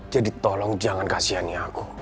jadi tolong jangan kasihani aku